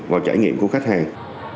vào trải nghiệm của khách hàng